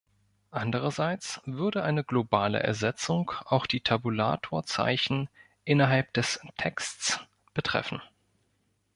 Andererseits würde eine globale Ersetzung auch die Tabulatorzeichen innerhalb des Texts betreffen.